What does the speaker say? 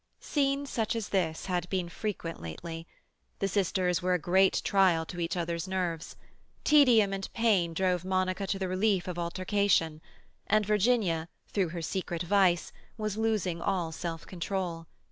Scenes such as this had been frequent lately. The sisters were a great trial to each other's nerves. Tedium and pain drove Monica to the relief of altercation, and Virginia, through her secret vice, was losing all self control.